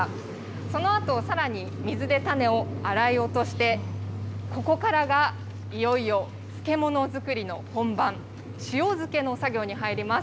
そのあと、さらに水で種を洗い落として、ここからがいよいよ漬物作りの本番、塩漬けの作業に入ります。